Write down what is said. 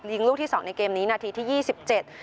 ยิงลูกที่สองในเกมนี้นาทีที่ยี่สิบเจ็ด